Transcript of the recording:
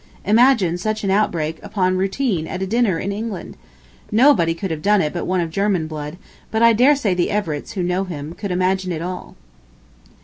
Imagine such an outbreak upon routine at a dinner in England! Nobody could have done it but one of German blood, but I dare say the Everetts, who know him, could imagine it all.